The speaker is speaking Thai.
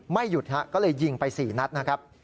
ไม่หยุดก็เลยยิงไปสี่นัดนะครับ